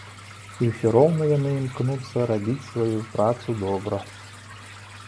І ўсё роўна яны імкнуцца рабіць сваю працу добра.